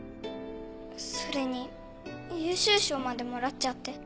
それに優秀賞までもらっちゃって。